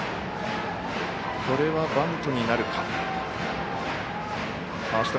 これはバントになるか。